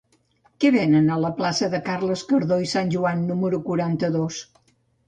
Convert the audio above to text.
Què venen a la plaça de Carles Cardó i Sanjoan número quaranta-dos?